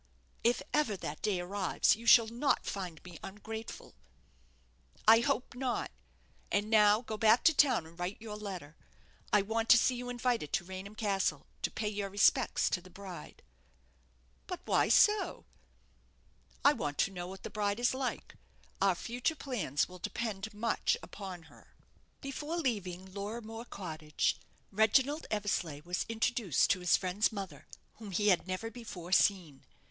"If ever that day arrives, you shall not find me ungrateful." "I hope not; and now go back to town and write your letter. I want to see you invited to Raynham Castle to pay your respects to the bride." "But why so?" "I want to know what the bride is like. Our future plans will depend much upon her." Before leaving Lorrimore Cottage, Reginald Eversleigh was introduced to his friend's mother, whom he had never before seen.